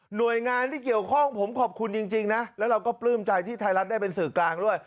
หน่วยงานที่เกี่ยวข้องผมขอบคุณจริงนะแล้วเราก็ปลื้มใจที่ไทยรัฐได้เป็นสื่อกลางด้วย